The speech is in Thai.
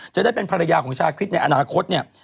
จะได้เป็นภรรยาของชาคริสในอนาคตเนี่ย